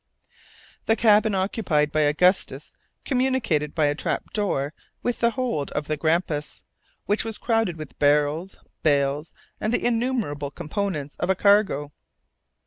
The cabin occupied by Augustus communicated by a trap door with the hold of the Grampus, which was crowded with barrels, bales, and the innumerable components of a cargo.